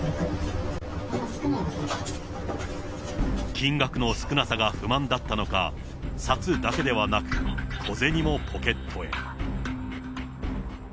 金額の少なさが不満だったのか、札だけではなく、小銭もポケットへ。